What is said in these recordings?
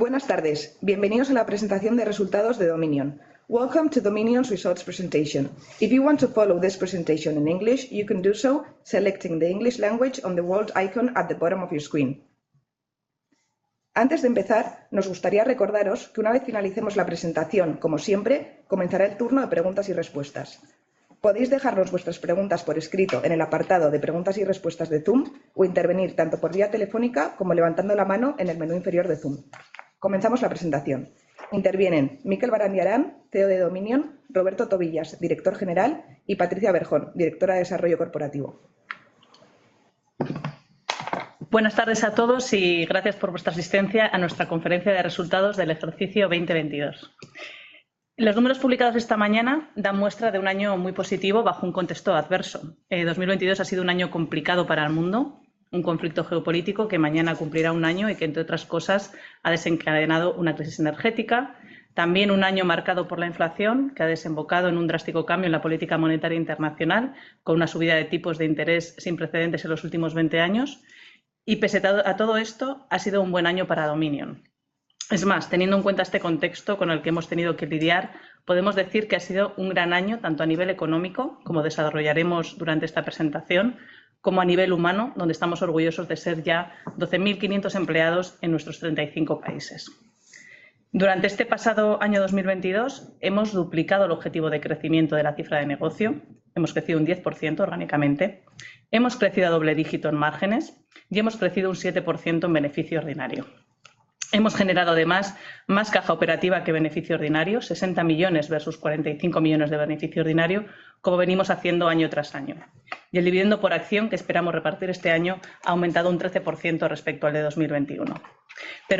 Buenas tardes. Bienvenidos a la presentación de resultados de Dominion. Welcome to Dominion's results presentation. If you want to follow this presentation in English, you can do so selecting the English language on the world icon at the bottom of your screen. Antes de empezar, nos gustaría recordaros que una vez finalicemos la presentación, como siempre, comenzará el turno de preguntas y respuestas. Podéis dejarnos vuestras preguntas por escrito en el apartado de preguntas y respuestas de Zoom o intervenir tanto por vía telefónica como levantando la mano en el menú inferior de Zoom. Comenzamos la presentación. Intervienen Mikel Barandiaran, CEO de Dominion, Roberto Tobillas, Director General, y Patricia Berjón, Directora de Desarrollo Corporativo. Buenas tardes a todos y gracias por vuestra asistencia a nuestra conferencia de resultados del ejercicio 2022. Los números publicados esta mañana dan muestra de un año muy positivo bajo un contexto adverso. 2022 ha sido un año complicado para el mundo, un conflicto geopolítico que mañana cumplirá un año y que, entre otras cosas, ha desencadenado una crisis energética. También un año marcado por la inflación, que ha desembocado en un drástico cambio en la política monetaria internacional, con una subida de tipos de interés sin precedentes en los últimos 20 años. Pese a todo esto, ha sido un buen año para Dominion. Es más, teniendo en cuenta este contexto con el que hemos tenido que lidiar, podemos decir que ha sido un gran año, tanto a nivel económico, como desarrollaremos durante esta presentación, como a nivel humano, donde estamos orgullosos de ser ya 12,500 empleados en nuestros 35 países. Durante este pasado año 2022, hemos duplicado el objetivo de crecimiento de la cifra de negocio, hemos crecido un 10% orgánicamente, hemos crecido a doble dígito en márgenes y hemos crecido un 7% en beneficio ordinario. Hemos generado, además, más caja operativa que beneficio ordinario, 60 million versus 45 million de beneficio ordinario, como venimos haciendo año tras año. El dividendo por acción, que esperamos repartir este año, ha aumentado un 13% respecto al de 2021.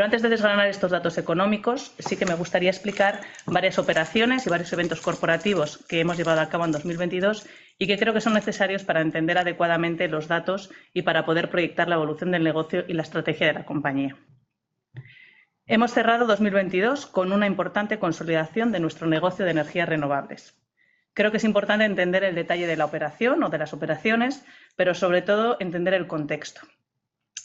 Antes de desgranar estos datos económicos, sí que me gustaría explicar varias operaciones y varios eventos corporativos que hemos llevado a cabo en 2022 y que creo que son necesarios para entender adecuadamente los datos y para poder proyectar la evolución del negocio y la estrategia de la compañía. Hemos cerrado 2022 con una importante consolidación de nuestro negocio de energías renovables. Creo que es importante entender el detalle de la operación o de las operaciones, pero sobre todo entender el contexto.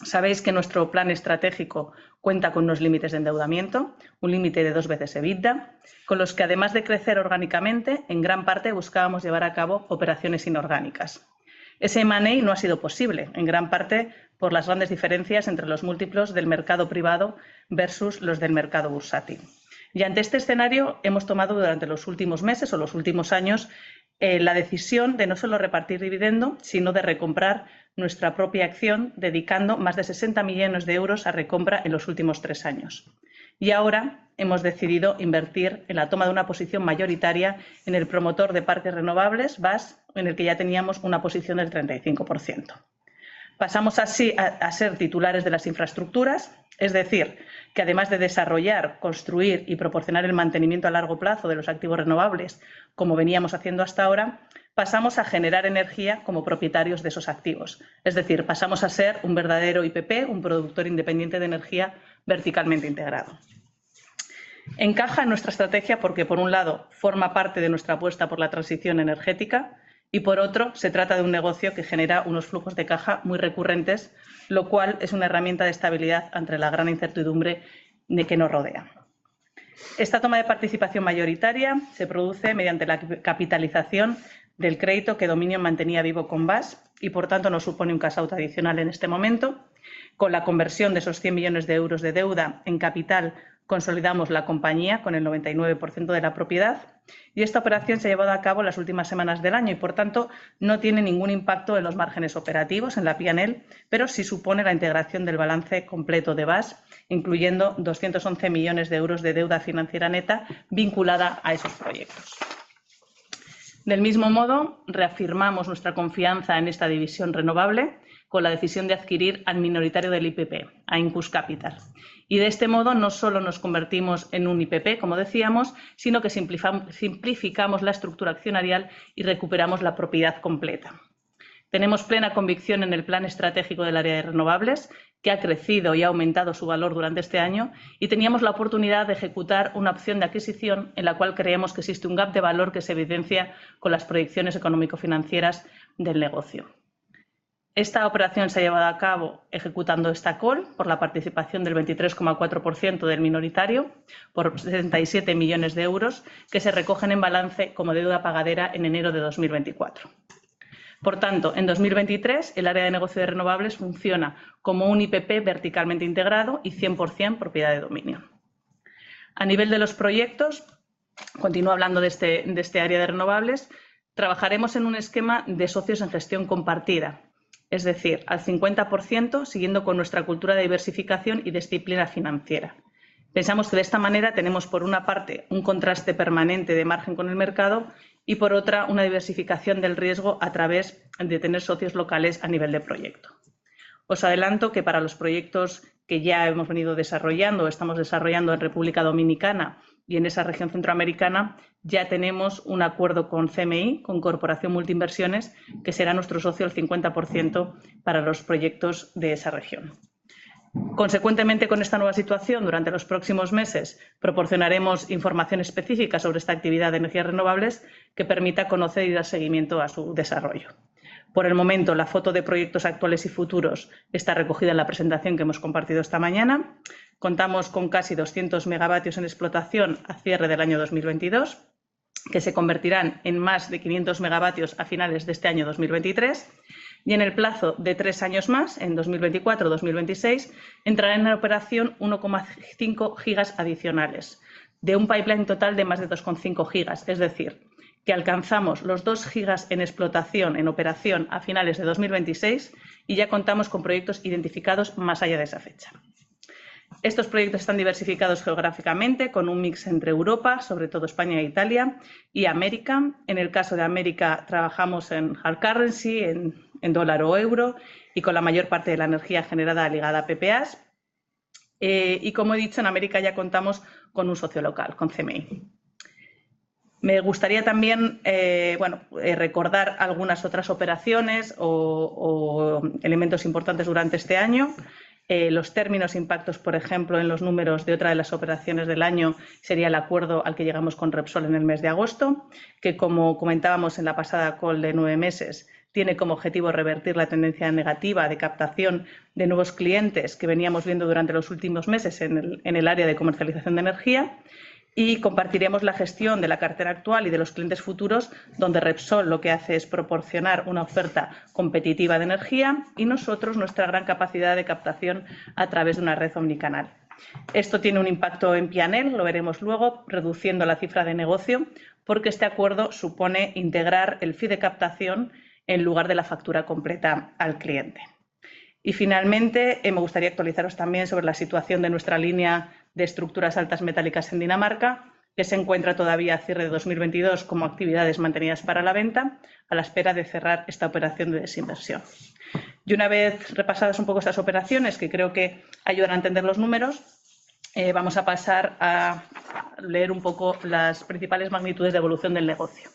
Sabéis que nuestro plan estratégico cuenta con unos límites de endeudamiento, un límite de 2x EBITDA, con los que, además de crecer orgánicamente, en gran parte buscábamos llevar a cabo operaciones inorgánicas. Ese M&A no ha sido posible, en gran parte por las grandes diferencias entre los múltiplos del mercado privado versus los del mercado bursátil. Ante este escenario, hemos tomado durante los últimos meses o los últimos años, la decisión de no solo repartir dividendo, sino de recomprar nuestra propia acción, dedicando más de 60 million euros a recompra en los últimos three years. Ahora hemos decidido invertir en la toma de una posición mayoritaria en el promotor de parques renovables, BAS, en el que ya teníamos una posición del 35%. Pasamos así a ser titulares de las infraestructuras, es decir, que además de desarrollar, construir y proporcionar el mantenimiento a largo plazo de los activos renovables, como veníamos haciendo hasta ahora, pasamos a generar energía como propietarios de esos activos. Es decir, pasamos a ser un verdadero IPP, un productor independiente de energía verticalmente integrado. Encaja en nuestra estrategia porque, por un lado, forma parte de nuestra apuesta por la transición energética y, por otro, se trata de un negocio que genera unos flujos de caja muy recurrentes, lo cual es una herramienta de estabilidad ante la gran incertidumbre que nos rodea. Esta toma de participación mayoritaria se produce mediante la capitalización del crédito que Dominion mantenía vivo con BAS y, por tanto, no supone un cash out adicional en este momento. Con la conversión de esos 100 million euros de deuda en capital, consolidamos la compañía con el 99% de la propiedad y esta operación se ha llevado a cabo en las últimas semanas del año y, por tanto, no tiene ningún impacto en los márgenes operativos, en la P&L, pero sí supone la integración del balance completo de BAS, incluyendo 211 million euros de deuda financiera neta vinculada a esos proyectos. Del mismo modo, reafirmamos nuestra confianza en esta división renovable con la decisión de adquirir al minoritario del IPP, a Incus Capital. De este modo, no solo nos convertimos en un IPP, como decíamos, sino que simplificamos la estructura accionarial y recuperamos la propiedad completa. Tenemos plena convicción en el plan estratégico del área de renovables, que ha crecido y aumentado su valor durante este año, y teníamos la oportunidad de ejecutar una opción de adquisición en la cual creemos que existe un gap de valor que se evidencia con las proyecciones económico-financieras del negocio. Esta operación se ha llevado a cabo ejecutando esta call por la participación del 23.4% del minoritario, por 67 million euros, que se recogen en balance como deuda pagadera en enero de 2024. En 2023, el área de negocio de renovables funciona como un IPP verticalmente integrado y 100% propiedad de Dominion. A nivel de los proyectos, continúo hablando de este área de renovables, trabajaremos en un esquema de socios en gestión compartida, es decir, al 50%, siguiendo con nuestra cultura de diversificación y disciplina financiera. Pensamos que de esta manera tenemos, por una parte, un contraste permanente de margen con el mercado y, por otra, una diversificación del riesgo a través de tener socios locales a nivel de proyecto. Os adelanto que para los proyectos que ya hemos venido desarrollando o estamos desarrollando en Dominican Republic y en esa región Central American, ya tenemos un acuerdo con CMI, con Corporación Multi Inversiones, que será nuestro socio al 50% para los proyectos de esa región. Con esta nueva situación, durante los próximos meses proporcionaremos información específica sobre esta actividad de renewable energy que permita conocer y dar seguimiento a su desarrollo. Por el momento, la foto de proyectos actuales y futuros está recogida en la presentación que hemos compartido esta mañana. Contamos con casi 200 MW en explotación a cierre del 2022, que se convertirán en más de 500 MW a finales de este 2023. En el plazo de 3 años más, en 2024-2026, entrarán en operación 1.5 gigas adicionales de un pipeline total de más de 2.5 gigas. Es decir, que alcanzamos los 2 gigas en explotación, en operación, a finales de 2026 y ya contamos con proyectos identificados más allá de esa fecha. Estos proyectos están diversificados geográficamente con un mix entre Europa, sobre todo España e Italia, y América. En el caso de América, trabajamos en hard currency, en dólar o euro, y con la mayor parte de la energía generada ligada a PPAs. Como he dicho, en América ya contamos con un socio local, con CMI. Me gustaría también, bueno, recordar algunas otras operaciones o elementos importantes durante este año. Los términos impactos, por ejemplo, en los números de otra de las operaciones del año, sería el acuerdo al que llegamos con Repsol en el mes de agosto, que como comentábamos en la pasada call de nueve meses, tiene como objetivo revertir la tendencia negativa de captación de nuevos clientes que veníamos viendo durante los últimos meses en el, en el área de comercialización de energía. Compartiremos la gestión de la cartera actual y de los clientes futuros, donde Repsol lo que hace es proporcionar una oferta competitiva de energía y nosotros nuestra gran capacidad de captación a través de una red omnicanal. Esto tiene un impacto en P&L, lo veremos luego, reduciendo la cifra de negocio, porque este acuerdo supone integrar el fee de captación en lugar de la factura completa al cliente. Finalmente, me gustaría actualizaros también sobre la situación de nuestra línea de estructuras altas metálicas en Dinamarca, que se encuentra todavía a cierre de 2022 como actividades mantenidas para la venta, a la espera de cerrar esta operación de desinversión. Una vez repasadas un poco estas operaciones, que creo que ayudan a entender los números, vamos a pasar a leer un poco las principales magnitudes de evolución del negocio.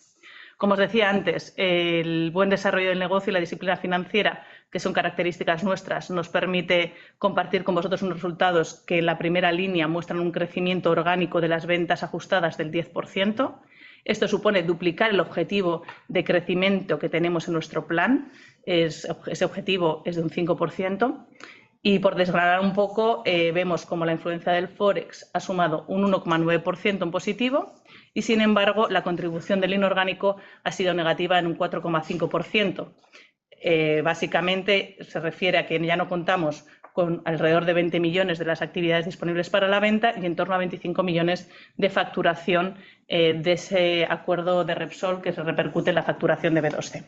Como os decía antes, el buen desarrollo del negocio y la disciplina financiera, que son características nuestras, nos permite compartir con vosotros unos resultados que en la primera línea muestran un crecimiento orgánico de las ventas ajustadas del 10%. Esto supone duplicar el objetivo de crecimiento que tenemos en nuestro plan. Ese objetivo es de 5%. Por desglosar un poco, vemos como la influencia del Forex ha sumado 1.9% en positivo y, sin embargo, la contribución del inorgánico ha sido negativa en 4.5%. Básicamente, se refiere a que ya no contamos con alrededor de 20 million de las actividades disponibles para la venta y en torno a 25 million de facturación de ese acuerdo de Repsol que se repercute en la facturación de B2C.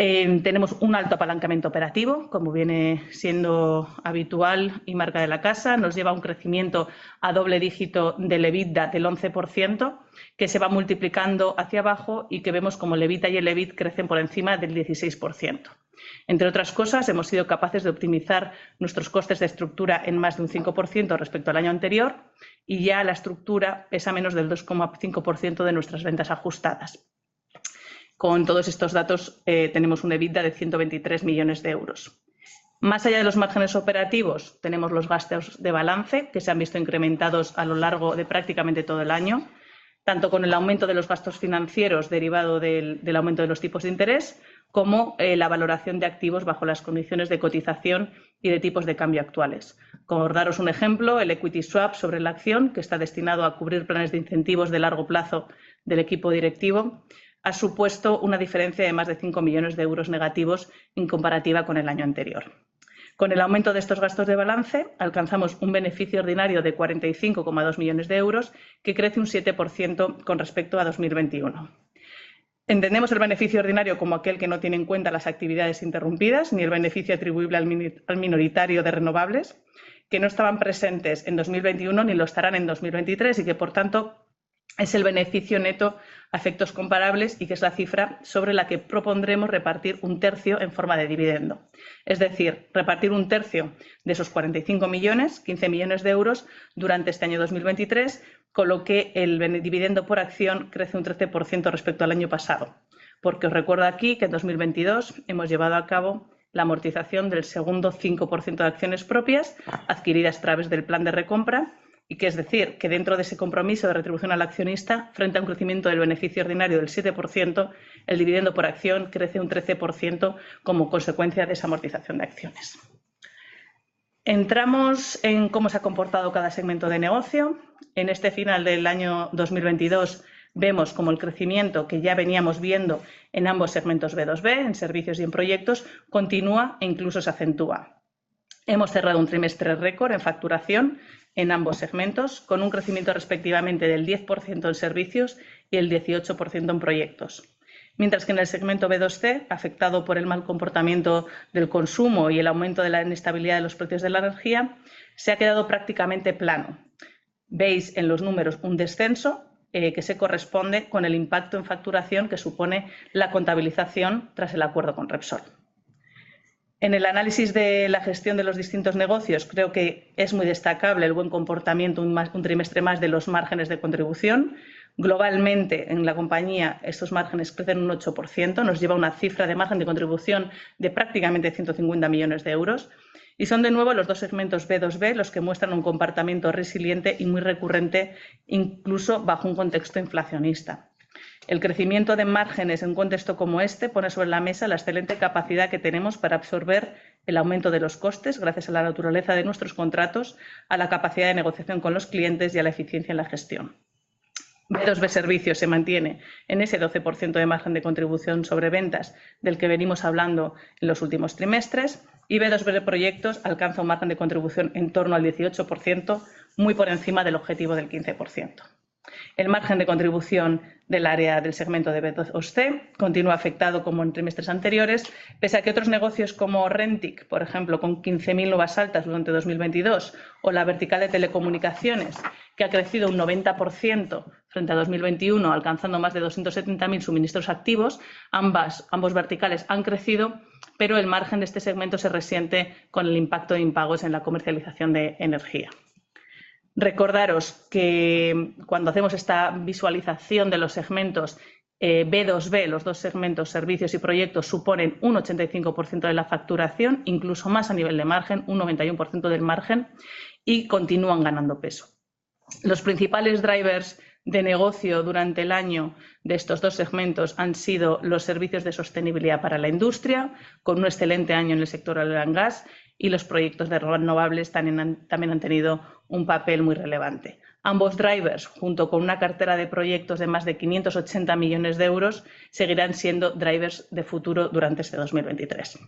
Tenemos un alto apalancamiento operativo, como viene siendo habitual y marca de la casa. Nos lleva a un crecimiento a doble dígito del EBITDA del 11%, que se va multiplicando hacia abajo y que vemos cómo el EBITDA y el EBIT crecen por encima del 16%. Entre otras cosas, hemos sido capaces de optimizar nuestros costes de estructura en más de un 5% respecto al año anterior y ya la estructura pesa menos del 2.5% de nuestras ventas ajustadas. Con todos estos datos, tenemos un EBITDA de 123 million euros. Más allá de los márgenes operativos, tenemos los gastos de balance, que se han visto incrementados a lo largo de prácticamente todo el año, tanto con el aumento de los gastos financieros derivado del aumento de los tipos de interés, como la valoración de activos bajo las condiciones de cotización y de tipos de cambio actuales. Por daros un ejemplo, el equity swap sobre la acción, que está destinado a cubrir planes de incentivos de largo plazo del equipo directivo, ha supuesto una diferencia de más de 5 million euros negativos en comparativa con el año anterior. Con el aumento de estos gastos de balance, alcanzamos un beneficio ordinario de 45.2 million euros, que crece un 7% con respecto a 2021. Entendemos el beneficio ordinario como aquel que no tiene en cuenta las actividades interrumpidas ni el beneficio atribuible al minoritario de renovables, que no estaban presentes en 2021 ni lo estarán en 2023 y que, por tanto, es el beneficio neto a efectos comparables y que es la cifra sobre la que propondremos repartir un tercio en forma de dividendo. Es decir, repartir un tercio de esos 45 million, 15 million euros, durante este año 2023, con lo que el dividendo por acción crece un 13% respecto al año pasado. Os recuerdo aquí que en 2022 hemos llevado a cabo la amortización del second 5% de acciones propias adquiridas a través del plan de recompra y que es decir que dentro de ese compromiso de retribución al accionista, frente a un crecimiento del beneficio ordinario del 7%, el dividendo por acción crece un 13% como consecuencia de esa amortización de acciones. Cómo se ha comportado cada segmento de negocio. En este final del año 2022, vemos cómo el crecimiento que ya veníamos viendo en ambos segmentos B2B, en servicios y en proyectos, continúa e incluso se acentúa. Hemos cerrado un trimestre récord en facturación en ambos segmentos, con un crecimiento respectivamente del 10% en servicios y el 18% en proyectos. Mientras que en el segmento B2C, afectado por el mal comportamiento del consumo y el aumento de la inestabilidad de los precios de la energía, se ha quedado prácticamente plano. Veis en los números un descenso que se corresponde con el impacto en facturación que supone la contabilización tras el acuerdo con Repsol. En el análisis de la gestión de los distintos negocios, creo que es muy destacable el buen comportamiento un trimestre más de los márgenes de contribución. Globalmente, en la compañía, estos márgenes crecen un 8%, nos lleva a una cifra de margen de contribución de prácticamente 150 million euros. Son de nuevo los dos segmentos B2B los que muestran un comportamiento resiliente y muy recurrente, incluso bajo un contexto inflacionista. El crecimiento de márgenes en un contexto como este pone sobre la mesa la excelente capacidad que tenemos para absorber el aumento de los costes gracias a la naturaleza de nuestros contratos, a la capacidad de negociación con los clientes y a la eficiencia en la gestión. B2B Servicios se mantiene en ese 12% de margen de contribución sobre ventas del que venimos hablando en los últimos trimestres y B2B Proyectos alcanza un margen de contribución en torno al 18%, muy por encima del objetivo del 15%. El margen de contribución del área del segmento de B2C continúa afectado como en trimestres anteriores, pese a que otros negocios como Rentic, por ejemplo, con 15,000 nuevas altas durante 2022, o la vertical de telecomunicaciones, que ha crecido un 90% frente a 2021, alcanzando más de 270,000 suministros activos, ambos verticales han crecido, pero el margen de este segmento se resiente con el impacto de impagos en la comercialización de energía. Recordaros que cuando hacemos esta visualización de los segmentos, B2B, los dos segmentos, servicios y proyectos, suponen un 85% de la facturación, incluso más a nivel de margen, un 91% del margen, y continúan ganando peso. Los principales drivers de negocio durante el año de estos dos segmentos han sido los servicios de sostenibilidad para la industria, con un excelente año en el sector oil and gas, y los proyectos de renovables también han tenido un papel muy relevante. Ambos drivers, junto con una cartera de proyectos de más de 580 million euros, seguirán siendo drivers de futuro durante este 2023.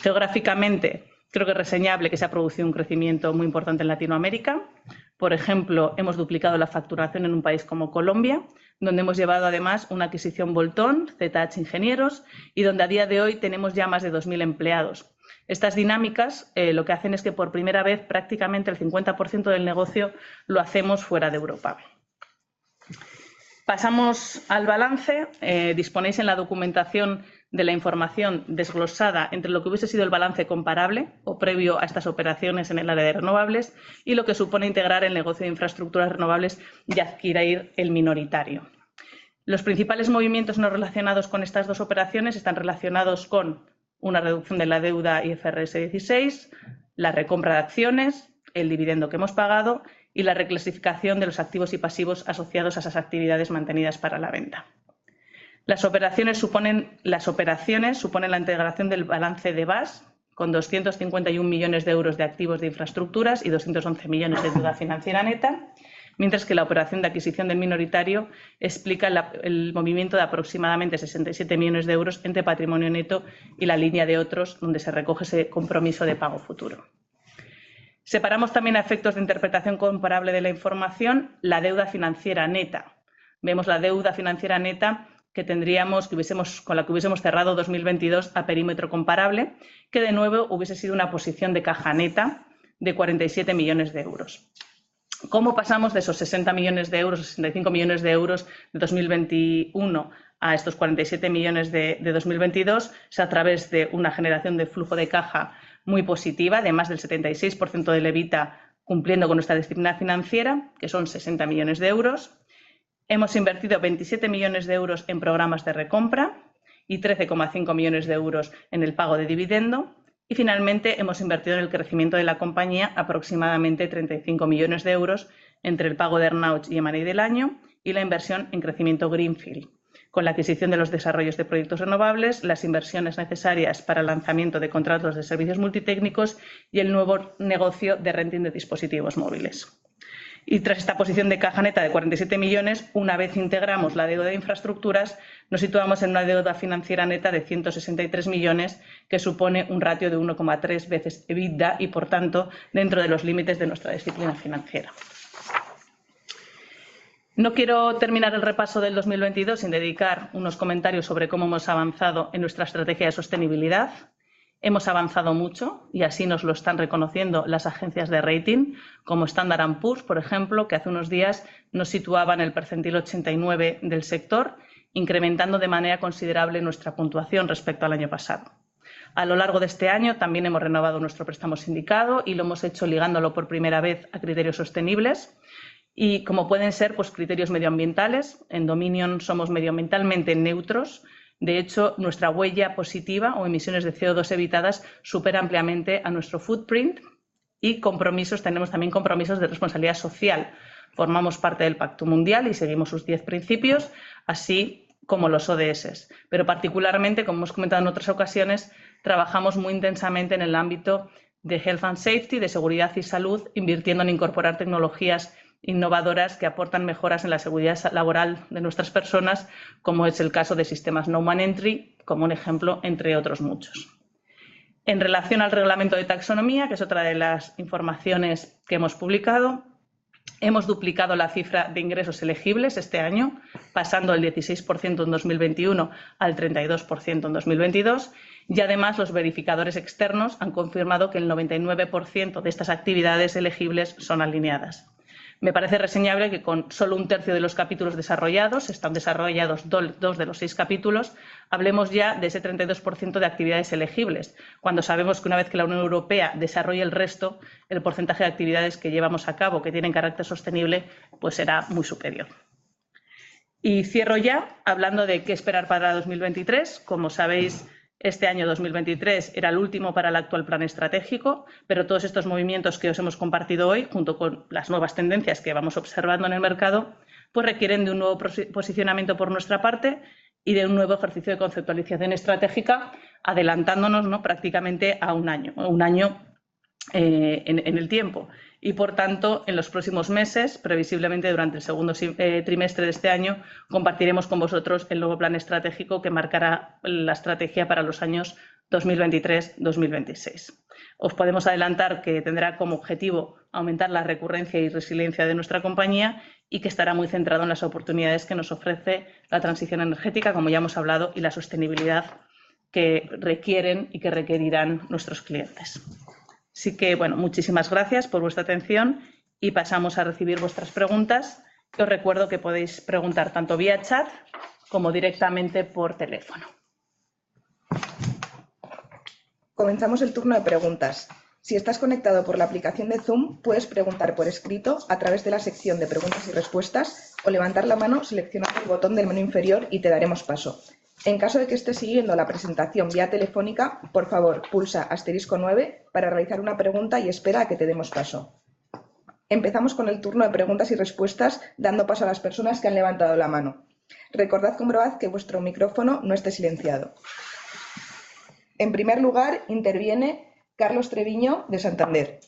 Geográficamente, creo que es reseñable que se ha producido un crecimiento muy importante en Latinoamérica. Por ejemplo, hemos duplicado la facturación en un país como Colombia, donde hemos llevado además una adquisición bolt-on, ZH Ingenieros, y donde a día de hoy tenemos ya más de 2,000 empleados. Estas dinámicas, lo que hacen es que por primera vez, prácticamente el 50% del negocio lo hacemos fuera de Europa. Pasamos al balance. Disponéis en la documentación de la información desglosada entre lo que hubiese sido el balance comparable o previo a estas operaciones en el área de renovables y lo que supone integrar el negocio de infraestructuras renovables y adquirir el minoritario. Los principales movimientos no relacionados con estas dos operaciones están relacionados con una reducción de la deuda IFRS 16, la recompra de acciones, el dividendo que hemos pagado y la reclasificación de los activos y pasivos asociados a esas actividades mantenidas para la venta. Las operaciones suponen la integración del balance de BAS con 251 million euros de activos de infraestructuras y 211 million de deuda financiera neta, mientras que la operación de adquisición del minoritario explica el movimiento de aproximadamente 67 million euros entre patrimonio neto y la línea de otros, donde se recoge ese compromiso de pago futuro. Separamos también, a efectos de interpretación comparable de la información, la deuda financiera neta. Vemos la deuda financiera neta que tendríamos, que hubiésemos, con la que hubiésemos cerrado 2022 a perímetro comparable, que de nuevo hubiese sido una posición de caja neta de 47 million euros. ¿Cómo pasamos de esos 60 million euros, 65 million euros de 2021 a estos 47 million de 2022? Es a través de una generación de flujo de caja muy positiva, de más del 76% del EBITDA, cumpliendo con nuestra disciplina financiera, que son 60 million euros. Hemos invertido 27 million euros en programas de recompra y 13.5 million euros en el pago de dividendo. Finalmente, hemos invertido en el crecimiento de la compañía aproximadamente 35 million euros entre el pago de earn-outs y earn-in del año y la inversión en crecimiento greenfield, con la adquisición de los desarrollos de proyectos renovables, las inversiones necesarias para el lanzamiento de contratos de servicios multitécnicos y el nuevo negocio de renting de dispositivos móviles. Tras esta posición de caja neta de 47 million, una vez integramos la deuda de infraestructuras, nos situamos en una deuda financiera neta de 163 million, que supone un ratio de 1.3x EBITDA y, por tanto, dentro de los límites de nuestra disciplina financiera. No quiero terminar el repaso del 2022 sin dedicar unos comentarios sobre cómo hemos avanzado en nuestra estrategia de sostenibilidad. Hemos avanzado mucho y así nos lo están reconociendo las agencias de rating, como Standard & Poor's, por ejemplo, que hace unos días nos situaba en el 89th percentile del sector, incrementando de manera considerable nuestra puntuación respecto al año pasado. A lo largo de este año también hemos renovado nuestro préstamo sindicado lo hemos hecho ligándolo por primera vez a criterios sostenibles como pueden ser, criterios medioambientales. En Dominion somos medioambientalmente neutros. De hecho, nuestra huella positiva o emisiones de CO2 evitadas supera ampliamente a nuestro footprint. Compromisos, tenemos también compromisos de responsabilidad social. Formamos parte del Pacto Mundial y seguimos sus 10 principios, así como los ODS. Particularmente, como hemos comentado en otras ocasiones, trabajamos muy intensamente en el ámbito de health and safety, de seguridad y salud, invirtiendo en incorporar tecnologías innovadoras que aportan mejoras en la seguridad laboral de nuestras personas, como es el caso de sistemas no-man-entry, como un ejemplo, entre otros muchos. En relación al reglamento de taxonomía, que es otra de las informaciones que hemos publicado Hemos duplicado la cifra de ingresos elegibles este año, pasando del 16% en 2021 al 32% en 2022. Además, los verificadores externos han confirmado que el 99% de estas actividades elegibles son alineadas. Me parece reseñable que con solo un tercio de los capítulos desarrollados, están desarrollados 2 de los 6 capítulos, hablemos ya de ese 32% de actividades elegibles, cuando sabemos que una vez que la Unión Europea desarrolle el resto, el porcentaje de actividades que llevamos a cabo que tienen carácter sostenible, pues será muy superior. Cierro ya hablando de qué esperar para 2023. Como sabéis, este año 2023 era el último para el actual plan estratégico, pero todos estos movimientos que os hemos compartido hoy, junto con las nuevas tendencias que vamos observando en el mercado, pues requieren de un nuevo posicionamiento por nuestra parte y de un nuevo ejercicio de conceptualización estratégica, adelantándonos, ¿no? prácticamente a 1 año en el tiempo. Por tanto, en los próximos meses, previsiblemente durante el segundo trimestre de este año, compartiremos con vosotros el nuevo plan estratégico que marcará la estrategia para los años 2023-2026. Os podemos adelantar que tendrá como objetivo aumentar la recurrencia y resiliencia de nuestra compañía y que estará muy centrado en las oportunidades que nos ofrece la transición energética, como ya hemos hablado, y la sostenibilidad que requieren y que requerirán nuestros clientes. Bueno, muchísimas gracias por vuestra atención y pasamos a recibir vuestras preguntas. Os recuerdo que podéis preguntar tanto vía chat como directamente por teléfono. Comenzamos el turno de preguntas. Si estás conectado por la aplicación de Zoom, puedes preguntar por escrito a través de la sección de preguntas y respuestas o levantar la mano, seleccionar el botón del menú inferior y te daremos paso. En caso de que estés siguiendo la presentación vía telefónica, por favor, pulsa asterisco 9 para realizar una pregunta y espera a que te demos paso. Empezamos con el turno de preguntas y respuestas, dando paso a las personas que han levantado la mano. Recordad comprobar que vuestro micrófono no esté silenciado. En primer lugar, interviene Carlos Treviño de Santander.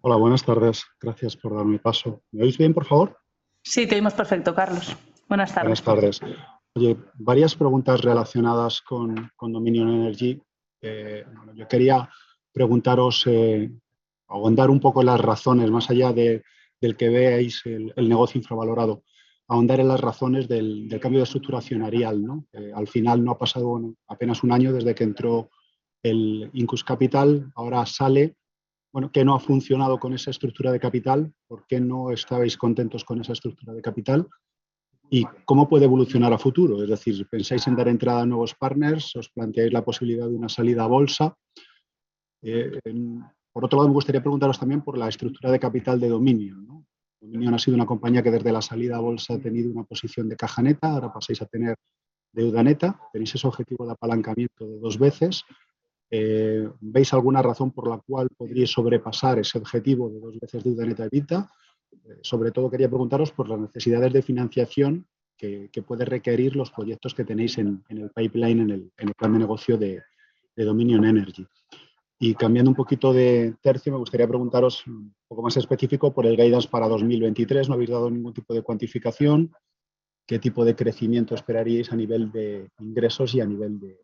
Hola, buenas tardes. Gracias por darme paso. ¿Me oís bien, por favor? Sí, te oímos perfecto, Carlos. Buenas tardes. Buenas tardes. Oye, varias preguntas relacionadas con Dominion Energy. Yo quería preguntaros, ahondar un poco en las razones, más allá de que veáis el negocio infravalorado, ahondar en las razones del cambio de estructura accionarial, ¿no? Al final no ha pasado apenas un año desde que entró Incus Capital, ahora sale. Bueno, ¿qué no ha funcionado con esa estructura de capital? ¿Por qué no estabais contentos con esa estructura de capital? Cómo puede evolucionar a futuro. Es decir, ¿pensáis en dar entrada a nuevos partners? ¿Os planteáis la posibilidad de una salida a bolsa? Por otro lado, me gustaría preguntaros también por la estructura de capital de Dominion, ¿no? Dominion ha sido una compañía que desde la salida a bolsa ha tenido una posición de caja neta, ahora pasáis a tener deuda neta. Tenéis ese objetivo de apalancamiento de 2x. ¿Veis alguna razón por la cual podríais sobrepasar ese objetivo de 2x deuda neta EBITDA? Sobre todo quería preguntaros por las necesidades de financiación que puede requerir los proyectos que tenéis en el pipeline, en el plan de negocio de Dominion Energy. Cambiando un poquito de tercio, me gustaría preguntaros un poco más específico por el guidance para 2023. No habéis dado ningún tipo de cuantificación. ¿Qué tipo de crecimiento esperaríais a nivel de ingresos y a nivel de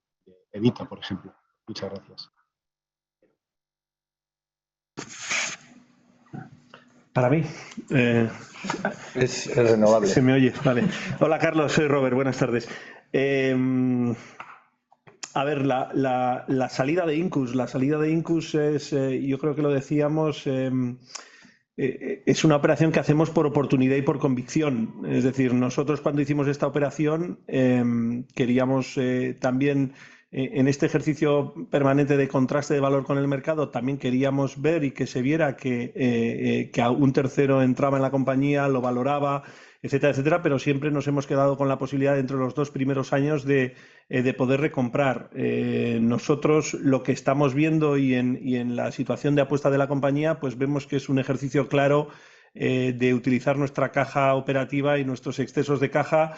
EBITDA, por ejemplo? Muchas gracias. ¿Para mí? Es renovable. Se me oye, vale. Hola Carlos, soy Roberto, buenas tardes. a ver, la salida de Incus es, yo creo que lo decíamos, es una operación que hacemos por oportunidad y por convicción. Es decir, nosotros cuando hicimos esta operación, queríamos también, en este ejercicio permanente de contraste de valor con el mercado, también queríamos ver y que se viera que un tercero entraba en la compañía, lo valoraba, etcétera, pero siempre nos hemos quedado con la posibilidad dentro de los dos primeros años de poder recomprar. Nosotros lo que estamos viendo y en la situación de apuesta de la compañía, pues vemos que es un ejercicio claro de utilizar nuestra caja operativa y nuestros excesos de caja,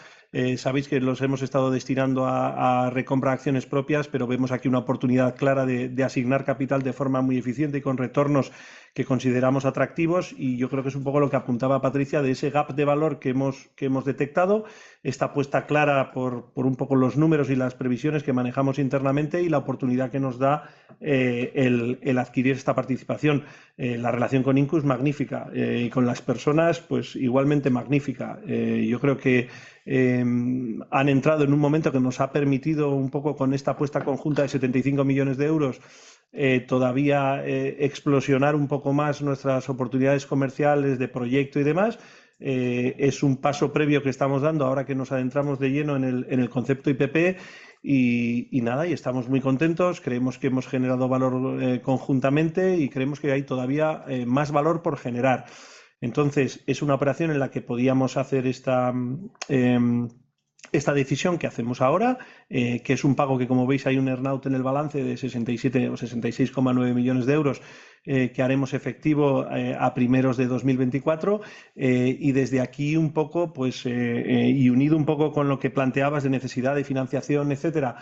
sabéis que los hemos estado destinando a recompra de acciones propias, pero vemos aquí una oportunidad clara de asignar capital de forma muy eficiente y con retornos que consideramos atractivos. Y yo creo que es un poco lo que apuntaba Patricia de ese gap de valor que hemos detectado, esta apuesta clara por un poco los números y las previsiones que manejamos internamente y la oportunidad que nos da el adquirir esta participación. La relación con Incus, magnífica, y con las personas, pues igualmente magnífica. Yo creo que han entrado en un momento que nos ha permitido un poco con esta apuesta conjunta de 75 million euros todavía explosionar un poco más nuestras oportunidades comerciales de proyecto y demás. Es un paso previo que estamos dando ahora que nos adentramos de lleno en el concepto IPP y nada, y estamos muy contentos. Creemos que hemos generado valor conjuntamente y creemos que hay todavía más valor por generar. Es una operación en la que podíamos hacer esta decisión que hacemos ahora, que es un pago que como veis hay un earn out en el balance de 67 million or 66.9 million euros que haremos efectivo a primeros de 2024. Desde aquí un poco, y unido un poco con lo que planteabas de necesidad de financiación, etcétera,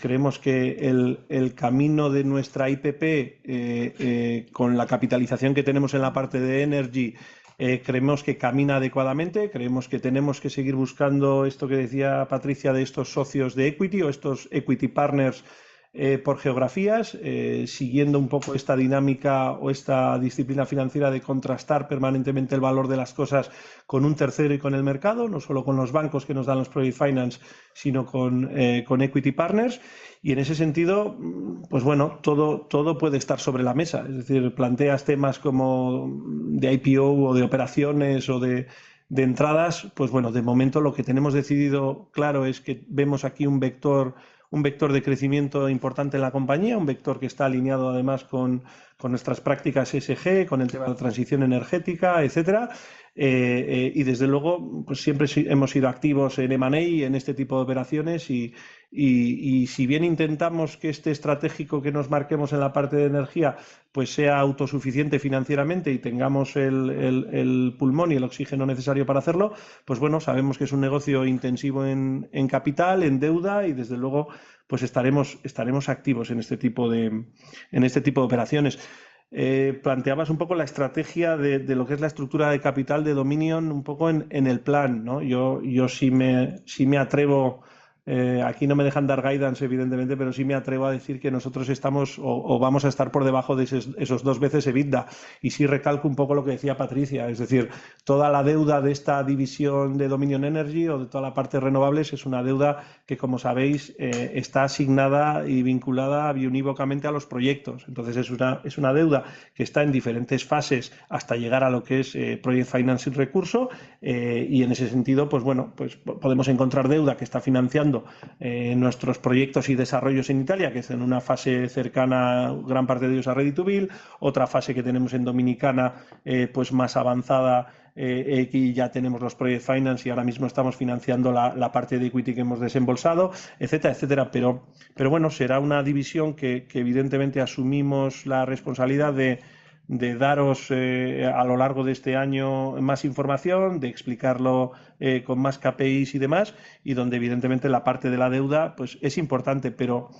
creemos que el camino de nuestra IPP, con la capitalización que tenemos en la parte de Energy, creemos que camina adecuadamente. Creemos que tenemos que seguir buscando esto que decía Patricia de estos socios de equity o estos equity partners, por geografías, siguiendo un poco esta dinámica o esta disciplina financiera de contrastar permanentemente el valor de las cosas con un tercero y con el mercado, no solo con los bancos que nos dan los project finance, sino con equity partners. En ese sentido, todo puede estar sobre la mesa. Es decir, planteas temas como de IPO o de operaciones o de entradas, pues bueno, de momento lo que tenemos decidido claro es que vemos aquí un vector, un vector de crecimiento importante en la compañía, un vector que está alineado además con nuestras prácticas ESG, con el tema de transición energética, etcétera. Desde luego, pues siempre hemos sido activos en M&A y en este tipo de operaciones y si bien intentamos que este estratégico que nos marquemos en la parte de energía, pues sea autosuficiente financieramente y tengamos el pulmón y el oxígeno necesario para hacerlo, pues bueno, sabemos que es un negocio intensivo en capital, en deuda y desde luego, pues estaremos activos en este tipo de operaciones. planteabas un poco la estrategia de lo que es la estructura de capital de Dominion, un poco en el plan, no? Si me atrevo, aquí no me dejan dar guidance, evidentemente, pero sí me atrevo a decir que nosotros estamos o vamos a estar por debajo de esos 2 times EBITDA. Sí recalco un poco lo que decía Patricia, es decir, toda la deuda de esta división de Dominion Energy o de toda la parte de renovables es una deuda que, como sabéis, está asignada y vinculada biunívocamente a los proyectos. Es una deuda que está en diferentes fases hasta llegar a lo que es project finance sin recurso. Y en ese sentido, pues bueno, pues podemos encontrar deuda que está financiando nuestros proyectos y desarrollos en Italia, que es en una fase cercana, gran parte de ellos, a Ready-to-Build. Otra fase que tenemos en Dominicana, pues más avanzada, aquí ya tenemos los project finance y ahora mismo estamos financiando la parte de equity que hemos desembolsado, etcétera. Pero bueno, será una división que evidentemente asumimos la responsabilidad de daros a lo largo de este año más información, de explicarlo con más KPIs y demás, y donde evidentemente la parte de la deuda, pues es importante, pero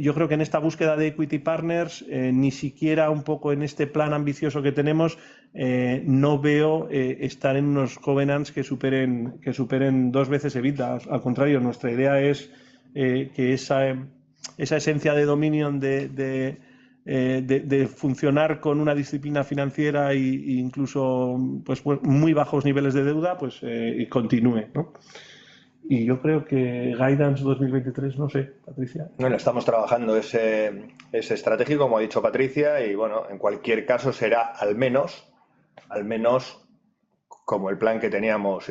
yo creo que en esta búsqueda de equity partners, ni siquiera un poco en este plan ambicioso que tenemos, no veo estar en unos covenants que superen 2 times EBITDA. Al contrario, nuestra idea es que esa esencia de Dominion de funcionar con una disciplina financiera y incluso muy bajos niveles de deuda, pues continúe. Yo creo que guidance 2023, no sé, Patricia. Estamos trabajando ese estratégico, como ha dicho Patricia, en cualquier caso será al menos como el plan que teníamos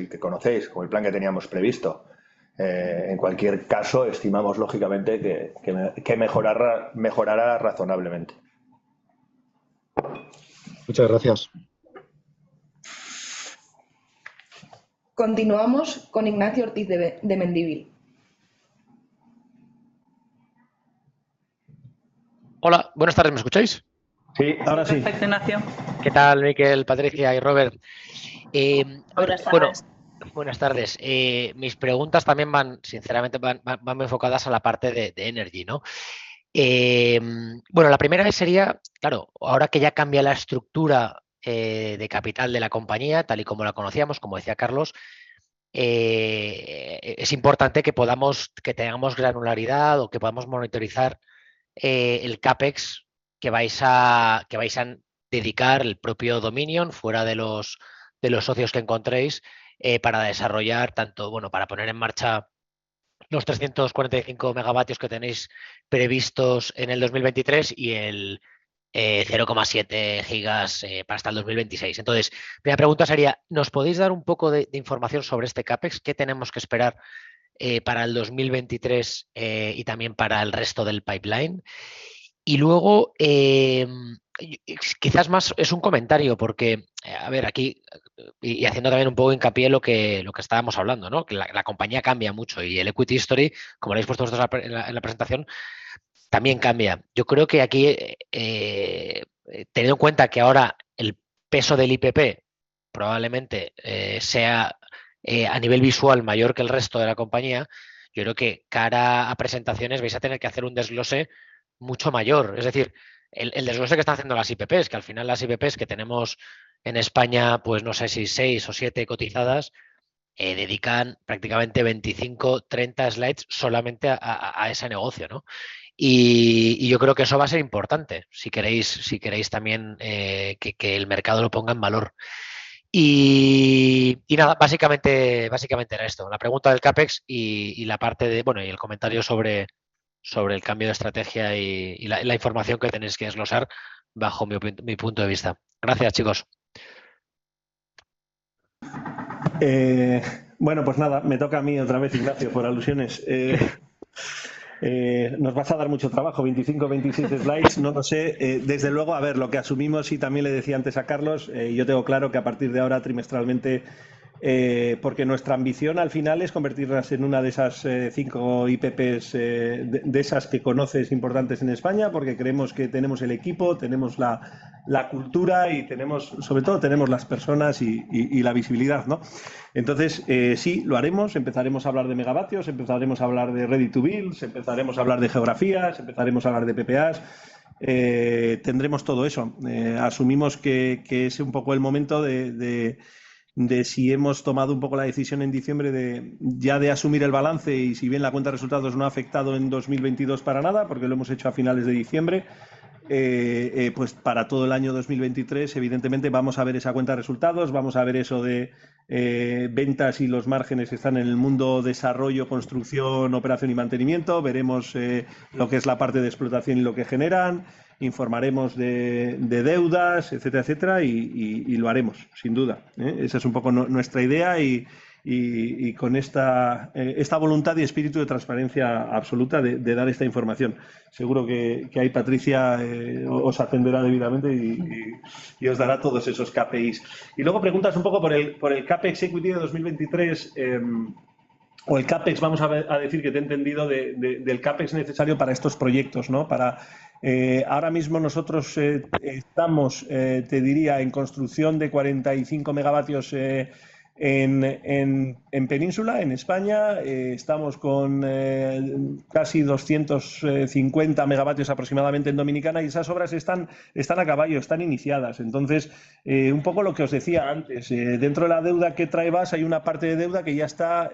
previsto. En cualquier caso, estimamos lógicamente que mejorará razonablemente. Muchas gracias. Continuamos con Ignacio Ortiz de Mendivil. Hola, buenas tardes. ¿Me escucháis? Sí, ahora sí. Perfecto, Ignacio. ¿Qué tal, Mikel, Patricia y Robert? Buenas tardes. Buenas tardes. Mis preguntas también van, sinceramente, van más enfocadas a la parte de Energy, ¿no? Bueno, la primera sería, claro, ahora que ya cambia la estructura de capital de la compañía, tal y como la conocíamos, como decía Carlos, es importante que podamos, que tengamos granularidad o que podamos monitorizar el CapEx que vais a dedicar el propio Dominion, fuera de los socios que encontréis, para desarrollar tanto, bueno, para poner en marcha los 345 MW que tenéis previstos en 2023 y el 0.7 GW para hasta 2026. Mi pregunta sería: ¿nos podéis dar un poco de información sobre este CapEx? ¿Qué tenemos que esperar para 2023 y también para el resto del pipeline? Luego, quizás más es un comentario, porque a ver, aquí, y haciendo también un poco hincapié en lo que estábamos hablando? La compañía cambia mucho y el equity story, como lo habéis puesto vosotros en la presentación, también cambia. Yo creo que aquí, teniendo en cuenta que ahora el peso del IPP probablemente sea a nivel visual mayor que el resto de la compañía, yo creo que cara a presentaciones vais a tener que hacer un desglose mucho mayor. Es decir, el desglose que están haciendo las IPPs, que al final las IPPs que tenemos en España, pues no sé si 6 o 7 cotizadas dedican prácticamente 25, 30 slides solamente a ese negocio? Yo creo que eso va a ser importante, si queréis, si queréis también, que el mercado lo ponga en valor. Nada, básicamente era esto. La pregunta del CapEx y la parte de, bueno, y el comentario sobre el cambio de estrategia y la información que tenéis que desglosar bajo mi punto de vista. Gracias, chicos. Bueno, pues nada, me toca a mí otra vez, Ignacio, por alusiones. Nos vas a dar mucho trabajo, 25, 26 slides, no lo sé. Desde luego, a ver, lo que asumimos y también le decía antes a Carlos, yo tengo claro que a partir de ahora trimestralmente, porque nuestra ambición al final es convertirlas en una de esas, 5 IPPs, de esas que conoces, importantes en España, porque creemos que tenemos el equipo, tenemos la cultura y tenemos, sobre todo, tenemos las personas y la visibilidad, ¿no? Entonces, sí, lo haremos. Empezaremos a hablar de megavatios, empezaremos a hablar de ready to bill, empezaremos a hablar de geografías, empezaremos a hablar de PPAs. Tendremos todo eso. Asumimos que es un poco el momento de si hemos tomado un poco la decisión en diciembre de ya de asumir el balance y si bien la cuenta de resultados no ha afectado en 2022 para nada, porque lo hemos hecho a finales de diciembre. Para todo el año 2023, evidentemente vamos a ver esa cuenta de resultados, vamos a ver eso de ventas y los márgenes que están en el mundo desarrollo, construcción, operación y mantenimiento. Veremos lo que es la parte de explotación y lo que generan, informaremos de deudas, etcétera, y lo haremos, sin duda. Esa es un poco nuestra idea y con esta esta voluntad y espíritu de transparencia absoluta de dar esta información. Seguro que ahí Patricia os atenderá debidamente y os dará todos esos KPIs. Luego preguntas un poco por el CapEx Equity de 2023 o el CapEx necesario para estos proyectos, ¿no? Ahora mismo nosotros estamos, te diría, en construcción de 45 megavatios en península, en España. Estamos con casi 250 megavatios aproximadamente en Dominicana, y esas obras están a caballo, están iniciadas. Un poco lo que os decía antes, dentro de la deuda que trae BAS hay una parte de deuda que ya está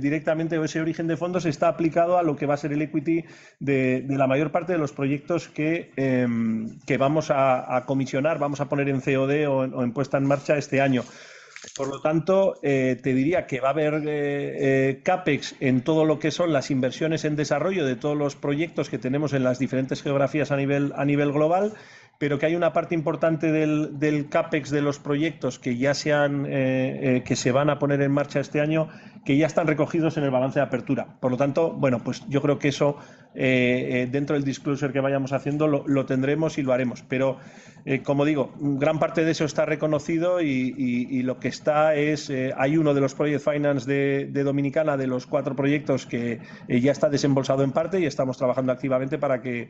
directamente, o ese origen de fondos está aplicado a lo que va a ser el equity de la mayor parte de los proyectos que vamos a comisionar, o en puesta en marcha este año. Te diría que va a haber CapEx en todo lo que son las inversiones en desarrollo de todos los proyectos que tenemos en las diferentes geografías a nivel global, pero que hay una parte importante del CapEx de los proyectos que ya se han que se van a poner en marcha este año, que ya están recogidos en el balance de apertura. Por lo tanto, bueno, pues yo creo que eso, dentro del disclosure que vayamos haciendo, lo tendremos y lo haremos. Pero, como digo, gran parte de eso está reconocido y lo que está es, hay uno de los project finance de Dominicana, de los cuatro proyectos que ya está desembolsado en parte y estamos trabajando activamente para que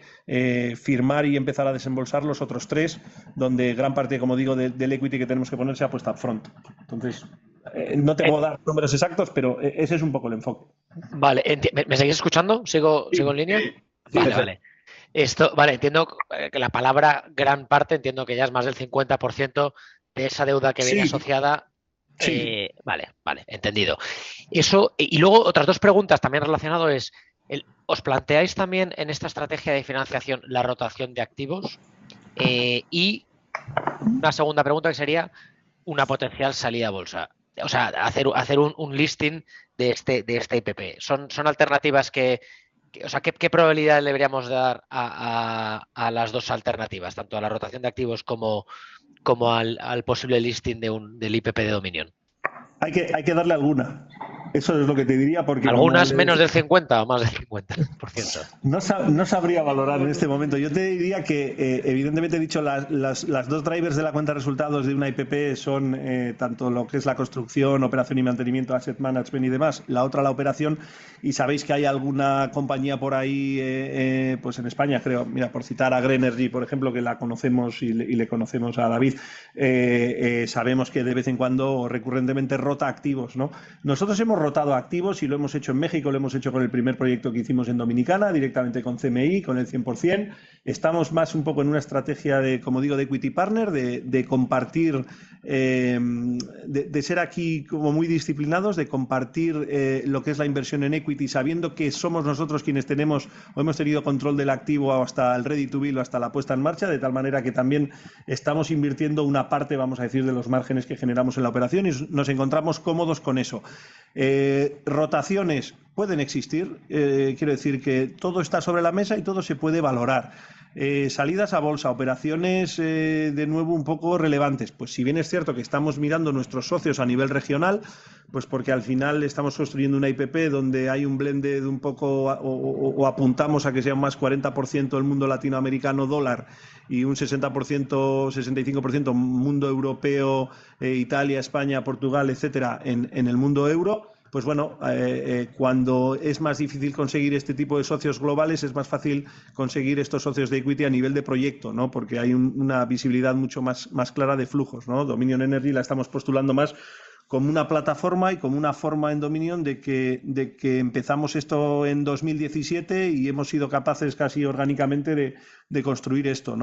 firmar y empezar a desembolsar los otros tres, donde gran parte, como digo, del equity que tenemos que poner se ha puesto up front. Entonces, no te puedo dar números exactos, pero ese es un poco el enfoque. Vale, ¿me seguís escuchando? ¿Sigo en línea? Sí, sí. Vale, vale. Esto, vale, entiendo que la palabra gran parte, entiendo que ya es más del 50% de esa deuda que viene asociada. Sí. vale, entendido. Eso, y luego otras 2 preguntas también relacionado es: ¿os planteáis también en esta estrategia de financiación la rotación de activos? La segunda pregunta que sería una potencial salida a bolsa. O sea, hacer un listing de este, de esta IPP. Son alternativas que. O sea, ¿qué probabilidad le deberíamos dar a las 2 alternativas, tanto a la rotación de activos como al posible listing del IPP de Dominion? Hay que darle alguna. Eso es lo que te diría. ¿Algunas menos del 50% o más del 50%? No sabría valorar en este momento. Yo te diría que, evidentemente, dicho, las 2 drivers de la cuenta de resultados de una IPP son, tanto lo que es la construcción, operación y mantenimiento, asset management y demás. La otra, la operación. Sabéis que hay alguna compañía por ahí en España, por citar a Grenergy, por ejemplo, que la conocemos y le conocemos a David, sabemos que de vez en cuando recurrentemente rota activos, ¿no? Nosotros hemos rotado activos y lo hemos hecho en México, lo hemos hecho con el primer proyecto que hicimos en Dominicana, directamente con CMI, con el 100%. Estamos más un poco en una estrategia de, como digo, de equity partner, de compartir, de ser aquí como muy disciplinados, de compartir lo que es la inversión en equity, sabiendo que somos nosotros quienes tenemos o hemos tenido control del activo hasta el ready to build o hasta la puesta en marcha, de tal manera que también estamos invirtiendo una parte, vamos a decir, de los márgenes que generamos en la operación y nos encontramos cómodos con eso. Rotaciones pueden existir. Quiero decir que todo está sobre la mesa y todo se puede valorar. Salidas a bolsa, operaciones, de nuevo, un poco relevantes. Si bien es cierto que estamos mirando nuestros socios a nivel regional, porque al final estamos construyendo una IPP donde hay un blended un poco, o apuntamos a que sea más 40% el mundo latinoamericano USD y un 60%-65% mundo europeo, Italia, España, Portugal, etcétera, en el mundo EUR, bueno, cuando es más difícil conseguir este tipo de socios globales, es más fácil conseguir estos socios de equity a nivel de proyecto? Hay una visibilidad mucho más clara de flujos? Dominion Energy la estamos postulando más como una plataforma y como una forma en Dominion de que empezamos esto en 2017 y hemos sido capaces casi orgánicamente de construir esto?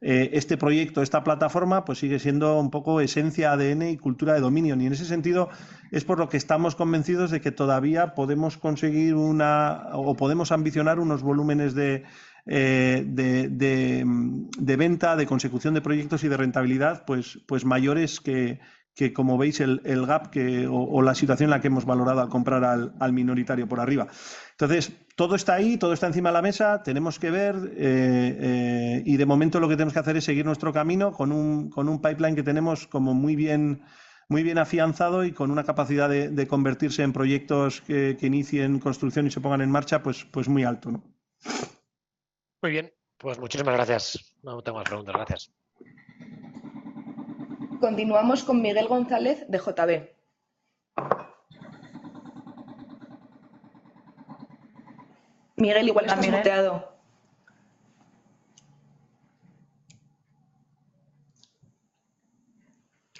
Este proyecto, esta plataforma, pues sigue siendo un poco esencia, ADN y cultura de Dominion. En ese sentido es por lo que estamos convencidos de que todavía podemos conseguir una o podemos ambicionar unos volúmenes de venta, de consecución de proyectos y de rentabilidad, pues mayores que, como veis el GAP, o la situación en la que hemos valorado al comprar al minoritario por arriba. Todo está ahí, todo está encima de la mesa. Tenemos que ver, y de momento lo que tenemos que hacer es seguir nuestro camino con un pipeline que tenemos como muy bien afianzado y con una capacidad de convertirse en proyectos que inicien construcción y se pongan en marcha, pues muy alto, ¿no? Muy bien. Muchísimas gracias. No tengo más preguntas. Gracias. Continuamos con Miguel González de JB Capital. Miguel, igual estás muteado.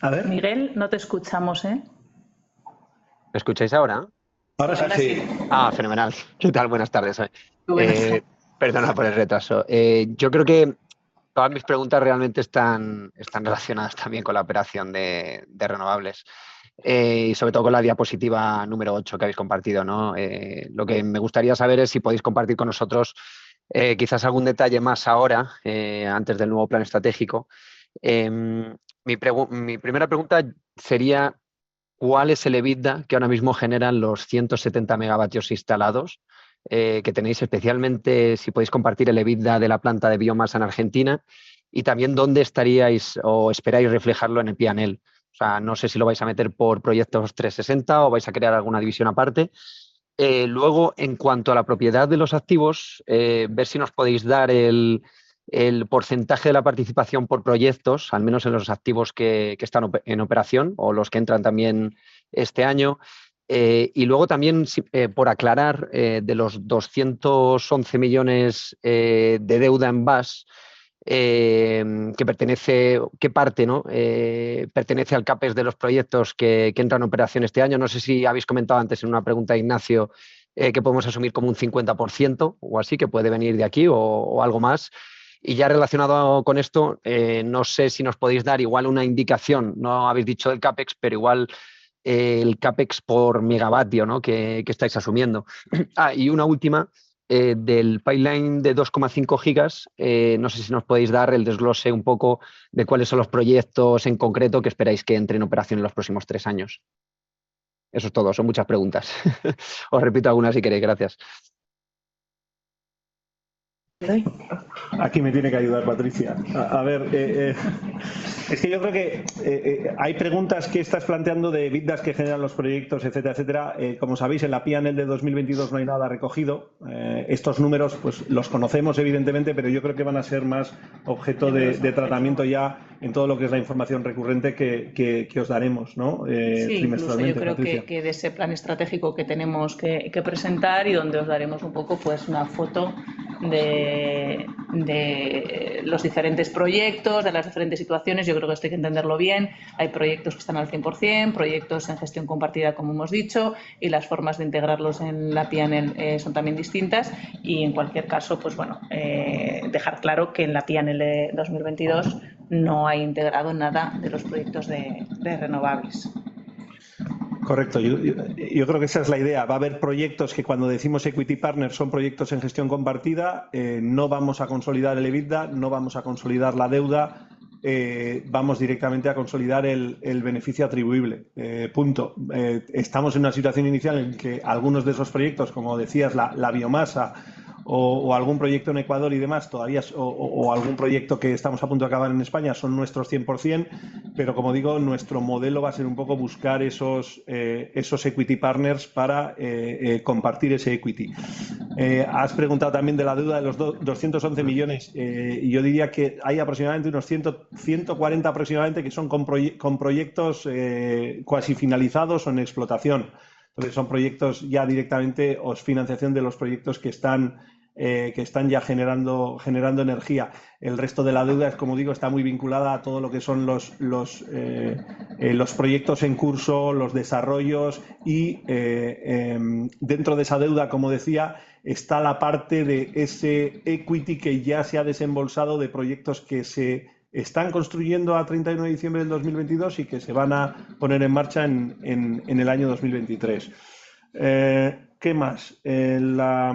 A ver. Miguel, no te escuchamos, ¿eh? ¿Me escucháis ahora? Ahora sí. Ahora sí. Fenomenal. ¿Qué tal? Buenas tardes. Buenas. Perdona por el retraso. Todas mis preguntas realmente están relacionadas también con la operación de renovables, y sobre todo con la diapositiva número 8 que habéis compartido, ¿no? Lo que me gustaría saber es si podéis compartir con nosotros, quizás algún detalle más ahora, antes del nuevo plan estratégico. Mi primera pregunta sería: ¿cuál es el EBITDA que ahora mismo generan los 170 megavatios instalados, que tenéis? Especialmente, si podéis compartir el EBITDA de la planta de biomasa en Argentina y también dónde estaríais o esperáis reflejarlo en el P&L. O sea, no sé si lo vais a meter por proyectos 360º o vais a crear alguna división aparte. Luego, en cuanto a la propiedad de los activos, ver si nos podéis dar el porcentaje de la participación por proyectos, al menos en los activos que están en operación o los que entran también este año. Y luego también si, por aclarar, de los 211 million de deuda en BAS, ¿qué parte, no, pertenece al Capex de los proyectos que entra en operación este año? No sé si habéis comentado antes en una pregunta de Ignacio, que podemos asumir como un 50% o así, que puede venir de aquí o algo más. Y ya relacionado con esto, no sé si nos podéis dar igual una indicación. No habéis dicho el Capex, pero igual el Capex por megawatt, ¿no?, que estáis asumiendo. Una última, del pipeline de 2.5 GW, no sé si nos podéis dar el desglose un poco de cuáles son los proyectos en concreto que esperáis que entren en operación en los próximos 3 years. Eso es todo. Son muchas preguntas. Os repito alguna si queréis. Gracias. Aquí me tiene que ayudar Patricia. A ver, es que yo creo que hay preguntas que estás planteando de EBITDA que generan los proyectos, etcétera. Como sabéis, en la P&L de 2022 no hay nada recogido. Estos números, pues los conocemos evidentemente, pero yo creo que van a ser más objeto de tratamiento ya en todo lo que es la información recurrente que os daremos, ¿no? Trimestralmente, Patricia. Sí, yo creo que de ese plan estratégico que tenemos que presentar y donde os daremos un poco, pues una foto de los diferentes proyectos, de las diferentes situaciones. Yo creo que esto hay que entenderlo bien. Hay proyectos que están al 100%, proyectos en gestión compartida, como hemos dicho, y las formas de integrarlos en la P&L son también distintas. En cualquier caso, pues bueno, dejar claro que en la P&L de 2022 no hay integrado nada de los proyectos de renovables. Correcto. Yo creo que esa es la idea. Va a haber proyectos que cuando decimos equity partner, son proyectos en gestión compartida. No vamos a consolidar el EBITDA, no vamos a consolidar la deuda, vamos directamente a consolidar el beneficio atribuible. Punto. Estamos en una situación inicial en que algunos de esos proyectos, como decías, la biomasa o algún proyecto en Ecuador y demás todavía, o algún proyecto que estamos a punto de acabar en España, son nuestros 100%. Pero como digo, nuestro modelo va a ser un poco buscar esos equity partners para compartir ese equity. Has preguntado también de la deuda de los 211 million. Yo diría que hay aproximadamente unos 140 aproximadamente, que son con proyectos cuasi finalizados o en explotación. Son proyectos ya directamente, o es financiación de los proyectos que están ya generando energía. El resto de la deuda, como digo, está muy vinculada a todo lo que son los proyectos en curso, los desarrollos y dentro de esa deuda, como decía, está la parte de ese equity que ya se ha desembolsado de proyectos que se están construyendo a 31 de diciembre del 2022 y que se van a poner en marcha en el año 2023. ¿Qué más? La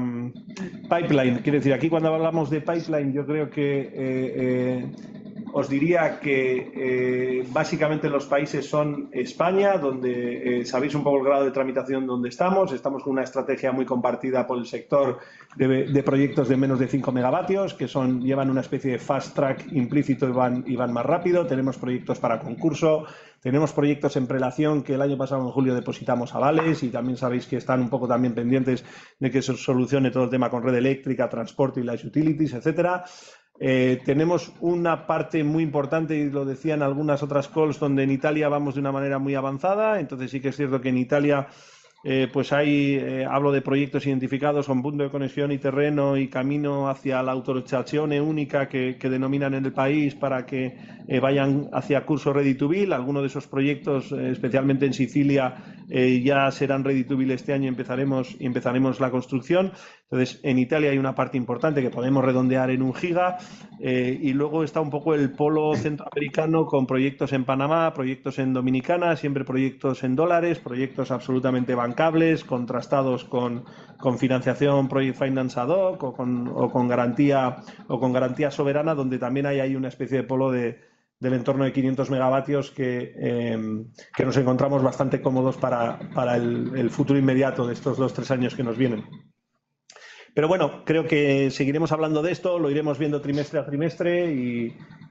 pipeline. Quiero decir, aquí cuando hablamos de pipeline, yo creo que os diría que básicamente los países son España, donde sabéis un poco el grado de tramitación donde estamos. Estamos con una estrategia muy compartida por el sector de proyectos de menos de 5 megawatts, que llevan una especie de fast track implícito y van más rápido. Tenemos proyectos para concurso, tenemos proyectos en prelación que el año pasado en julio depositamos avales y también sabéis que están un poco también pendientes de que se solucione todo el tema con Red Eléctrica, transporte y las utilities, etcétera. Tenemos una parte muy importante, y lo decía en algunas otras calls, donde en Italia vamos de una manera muy avanzada. Sí que es cierto que en Italia, pues hay, hablo de proyectos identificados con punto de conexión y terreno y camino hacia la autorizzazione unica, que denominan en el país para que vayan hacia curso redituable. Algunos de esos proyectos, especialmente en Sicilia, ya serán redituales este año y empezaremos la construcción. En Italia hay una parte importante que podemos redondear en 1 giga. Y luego está un poco el polo centroamericano con proyectos en Panamá, proyectos en Dominicana, siempre proyectos en dólares, proyectos absolutamente bancables, contrastados con financiación, project finance ad hoc o con garantía soberana, donde también hay ahí una especie de polo del entorno de 500 megavatios que nos encontramos bastante cómodos para el futuro inmediato de estos 2-3 años que nos vienen. Creo que seguiremos hablando de esto, lo iremos viendo trimestre a trimestre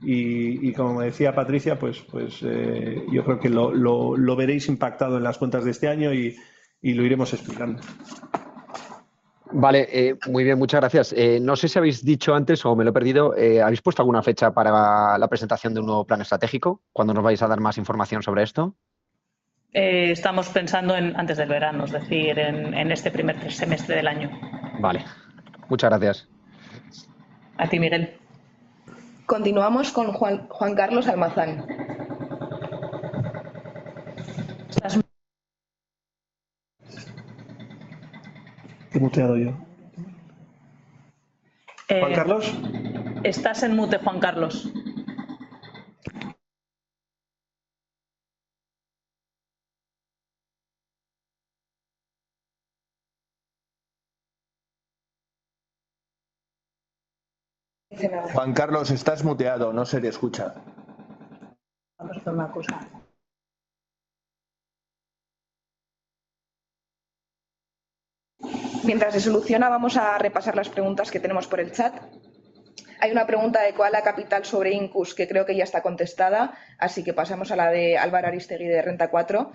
y como decía Patricia, pues, yo creo que lo veréis impactado en las cuentas de este año y lo iremos explicando. Vale, muy bien, muchas gracias. No sé si habéis dicho antes o me lo he perdido, ¿habéis puesto alguna fecha para la presentación de un nuevo plan estratégico? ¿Cuándo nos vais a dar más información sobre esto? estamos pensando en antes del verano, es decir, en este primer semestre del año. Vale, muchas gracias. A ti, Miguel. Continuamos con Juan Carlos Almazán. He muteado yo. ¿Juan Carlos? Estás en mute, Juan Carlos. Juan Carlos, estás muteado, no se te escucha. Vamos por una cosa. Mientras se soluciona, vamos a repasar las preguntas que tenemos por el chat. Hay una pregunta de Koala Capital sobre Incus, que creo que ya está contestada, así que pasemos a la de Álvaro Arístegui, de Renta 4.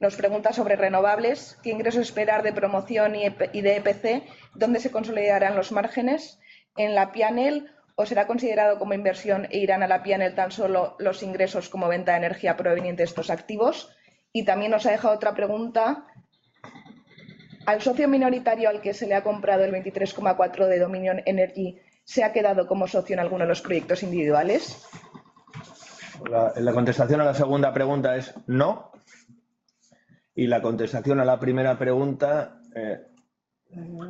Nos pregunta sobre renovables, qué ingresos esperar de promoción y de EPC, dónde se consolidarán los márgenes, en la P&L, o será considerado como inversión e irán a la P&L tan solo los ingresos como venta de energía proveniente de estos activos. También nos ha dejado otra pregunta: al socio minoritario al que se le ha comprado el 23.4 de Dominion Energy, ¿se ha quedado como socio en alguno de los proyectos individuales? La contestación a la segunda pregunta es no. La contestación a la primera pregunta,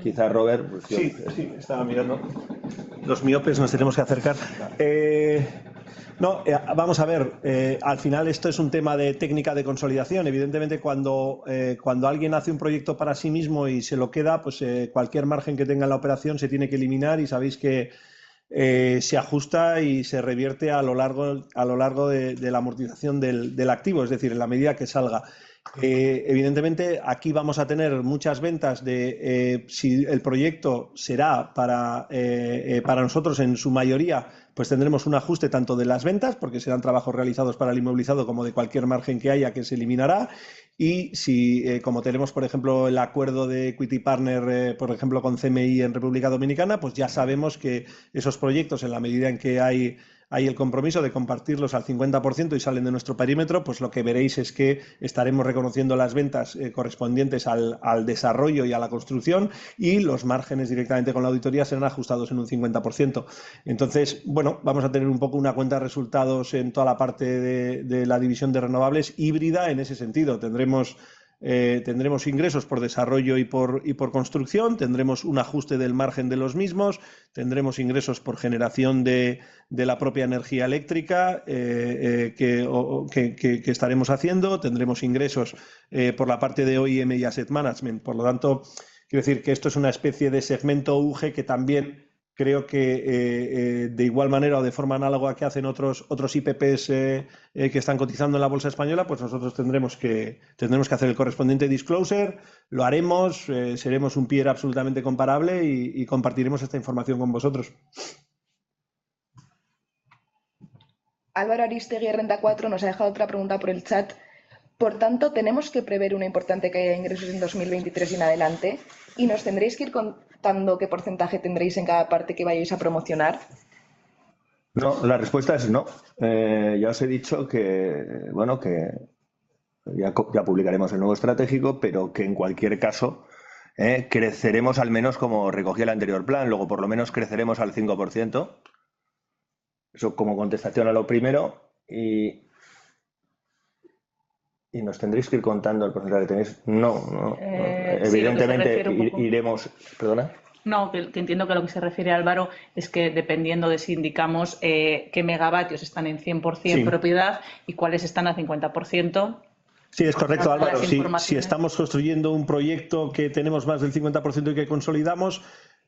quizá Robert. Sí, sí, estaba mirando. Los miopes nos tenemos que acercar. No, vamos a ver, al final esto es un tema de técnica de consolidación. Evidentemente, cuando cuando alguien hace un proyecto para sí mismo y se lo queda, pues cualquier margen que tenga en la operación se tiene que eliminar y sabéis que se ajusta y se revierte a lo largo de la amortización del activo, es decir, en la medida que salga. Evidentemente, aquí vamos a tener muchas ventas de, si el proyecto será para nosotros en su mayoría, pues tendremos un ajuste tanto de las ventas, porque serán trabajos realizados para el inmovilizado, como de cualquier margen que haya, que se eliminará. Si, como tenemos, por ejemplo, el acuerdo de equity partner, por ejemplo, con CMI en República Dominicana, pues ya sabemos que esos proyectos, en la medida en que hay el compromiso de compartirlos al 50% y salen de nuestro perímetro, pues lo que veréis es que estaremos reconociendo las ventas, correspondientes al desarrollo y a la construcción, y los márgenes directamente con la auditoría serán ajustados en un 50%. Bueno, vamos a tener un poco una cuenta de resultados en toda la parte de la división de renovables híbrida en ese sentido. Tendremos ingresos por desarrollo y por construcción, tendremos un ajuste del margen de los mismos, tendremos ingresos por generación de la propia energía eléctrica que estaremos haciendo, tendremos ingresos por la parte de OEM y asset management. Por lo tanto, quiero decir que esto es una especie de segmento UGE que también creo que, de igual manera o de forma análoga a que hacen otros IPPs que están cotizando en la bolsa española, pues nosotros tendremos que hacer el correspondiente disclosure. Lo haremos, seremos un peer absolutamente comparable y compartiremos esta información con vosotros. Álvaro Arístegui, Renta 4, nos ha dejado otra pregunta por el chat. ¿Tenemos que prever una importante caída de ingresos en 2023 en adelante? ¿Nos tendréis que ir contando qué porcentaje tendréis en cada parte que vayáis a promocionar? No, la respuesta es no. Ya os he dicho que, bueno, que ya publicaremos el nuevo estratégico, pero que en cualquier caso, creceremos al menos como recogía el anterior plan. Por lo menos, creceremos al 5%. Eso como contestación a lo primero. Nos tendréis que ir contando el porcentaje que tenéis. No. Evidentemente, ¿perdona? No, que entiendo que a lo que se refiere Álvaro es que dependiendo de si indicamos, qué megawatts están en 100% propiedad y cuáles están al 50%. Sí, es correcto, Álvaro. Si estamos construyendo un proyecto que tenemos más del 50% y que consolidamos,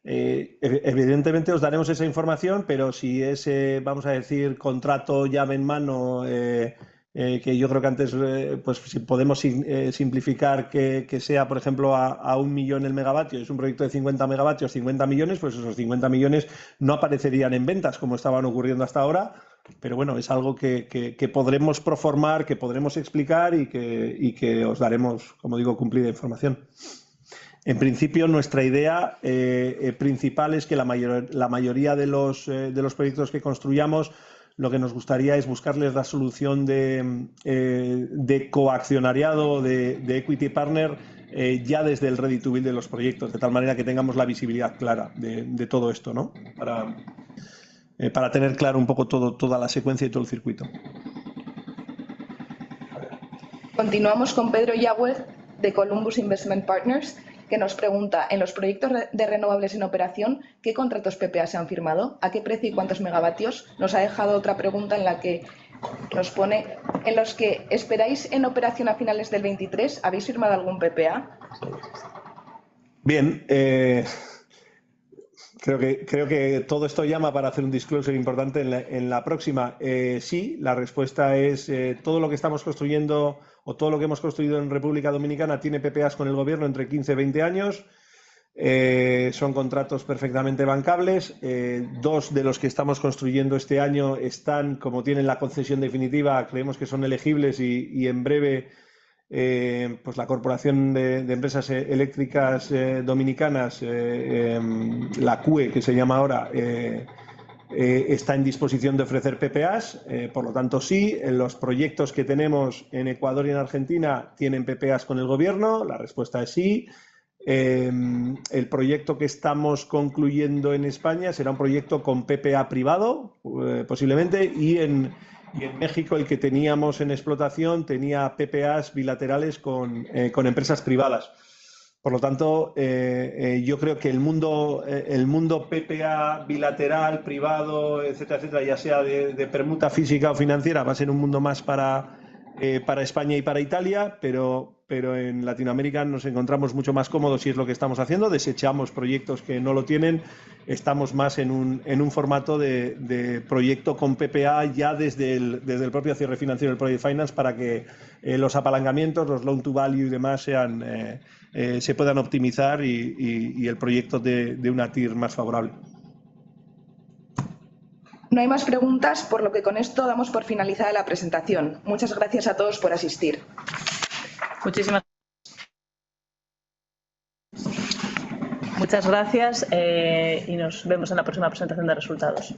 evidentemente os daremos esa información, pero si es, vamos a decir, contrato llave en mano, que yo creo que antes, pues si podemos simplificar que sea, por ejemplo, a 1 million per megawatt, es un proyecto de 50 megawatts, 50 million, pues esos 50 million no aparecerían en ventas como estaban ocurriendo hasta ahora. Bueno, es algo que podremos proformar, que podremos explicar y que os daremos, como digo, cumplida información. En principio, nuestra idea principal es que la mayoría de los proyectos que construyamos, lo que nos gustaría es buscarles la solución de coaccionariado, de equity partner, ya desde el ready to build de los proyectos, de tal manera que tengamos la visibilidad clara de todo esto, ¿no? Para tener claro un poco todo, toda la secuencia y todo el circuito. Continuamos con Pedro Yagüe, de Columbus Investment Partners, que nos pregunta: en los proyectos de renovables en operación, ¿qué contratos PPA se han firmado? ¿A qué precio y cuántos megavatios? Nos ha dejado otra pregunta en la que nos pone: en los que esperáis en operación a finales del 2023, ¿habéis firmado algún PPA? Creo que todo esto llama para hacer un disclosure importante en la próxima. Sí, la respuesta es, todo lo que estamos construyendo o todo lo que hemos construido en República Dominicana tiene PPAs con el gobierno entre 15 y 20 años. Son contratos perfectamente bancables. Dos de los que estamos construyendo este año están, como tienen la concesión definitiva, creemos que son elegibles y en breve, pues la Corporación de Empresas Eléctricas Dominicanas, la CUED, que se llama ahora, está en disposición de ofrecer PPAs. Sí, los proyectos que tenemos en Ecuador y en Argentina tienen PPAs con el gobierno. La respuesta es sí. El proyecto que estamos concluyendo en Spain será un proyecto con PPA privado, posiblemente, y en Mexico, el que teníamos en explotación tenía PPAs bilaterales con empresas privadas. Yo creo que el mundo PPA bilateral, privado, etcétera, ya sea de permuta física o financiera, va a ser un mundo más para Spain y para Italy, pero en Latin America nos encontramos mucho más cómodos si es lo que estamos haciendo. Desechamos proyectos que no lo tienen. Estamos más en un formato de proyecto con PPA ya desde el propio cierre financiero del project finance, para que los apalancamientos, los loan to value y demás sean se puedan optimizar y el proyecto dé una TIR más favorable. No hay más preguntas, por lo que con esto damos por finalizada la presentación. Muchas gracias a todos por asistir. Muchísimas- Muchas gracias. Nos vemos en la próxima presentación de resultados.